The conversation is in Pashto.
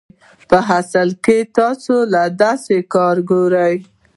پۀ اصل کښې تاسو له داسې کار ګوري